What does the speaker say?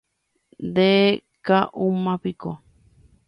Ndeka'úmapiko